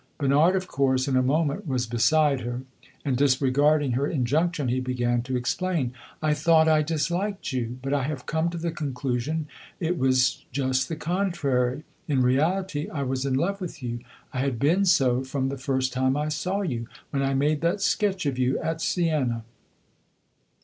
Bernard, of course, in a moment was beside her, and, disregarding her injunction, he began to explain. "I thought I disliked you but I have come to the conclusion it was just the contrary. In reality I was in love with you. I had been so from the first time I saw you when I made that sketch of you at Siena."